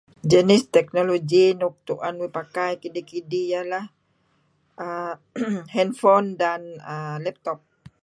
Jenis teknologi nuk tu'en uih pakai kidih-kidih ialah hand phone dan laptop.